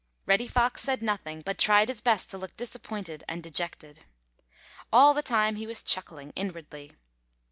Reddy Fox said nothing, but tried his best to look disappointed and dejected. All the time he was chuckling inwardly.